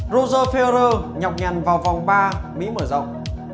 roger federer nhọc nhằn vào vòng ba mỹ mở rộng